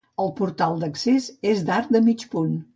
El portal d'accés és d'arc de mig punt.